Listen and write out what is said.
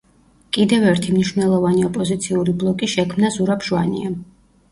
კიდევ ერთი მნიშვნელოვანი ოპოზიციური ბლოკი შექმნა ზურაბ ჟვანიამ.